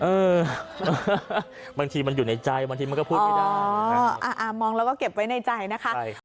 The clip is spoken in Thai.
บางทีมันอยู่ในใจบางทีมันก็พูดไม่ได้มองแล้วก็เก็บไว้ในใจนะคะ